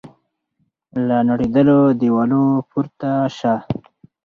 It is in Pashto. له نړېدلو دیوالو پورته سه